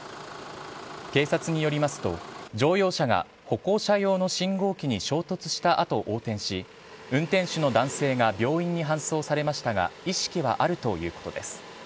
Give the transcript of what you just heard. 警察によりますと、乗用車が歩行者用の信号機に衝突したあと横転し、運転手の男性が病院に搬送されましたが、意識はあるということです。